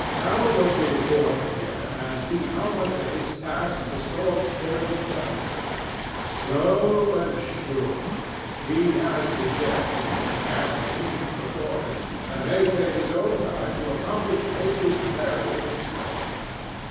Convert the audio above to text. Now look we forth again and see how much of his task the storm spirit has done. Slow and sure! He has the day—perchance the week—before him, and may take his own time to accomplish Nature's burial in snow.